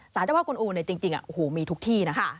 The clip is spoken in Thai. สารเจ้าพ่อกลุนอูจริงมีทุกที่นะ